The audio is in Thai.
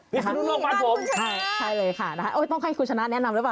พิษศนุโลกบ้านผมคุณชนะใช่เลยค่ะต้องให้คุณชนะแนะนำด้วยป่ะ